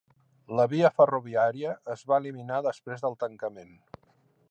La via ferroviària es va eliminar després del tancament.